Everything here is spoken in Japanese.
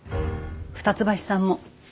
二ツ橋さんも。